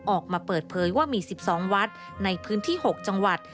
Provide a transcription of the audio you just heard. ออกมาเปิดเผยว่ามี๑๒วัดในพื้นที่๖จังหวัด